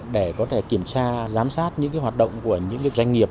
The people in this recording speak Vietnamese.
để có thể kiểm tra giám sát những hoạt động của những doanh nghiệp